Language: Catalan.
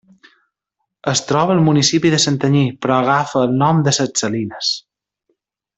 Es troba al municipi de Santanyí però agafa el nom de Ses Salines.